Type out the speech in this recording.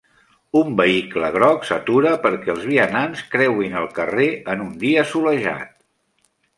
Un vehicle groc s'atura perquè els vianants creuin el carrer en un dia solejat.